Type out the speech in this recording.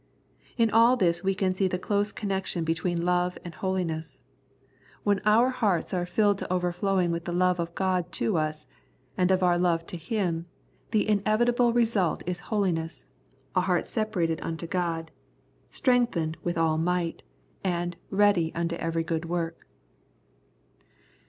In all this we can see the close connection between love and holiness. When our hearts II The Prayers of St. Paul are filled to overflowing with the love of God to us, and of our love to Him, the inevi table result is holiness, a heart separated unto God, " strengthened with all might," and " ready unto every good work."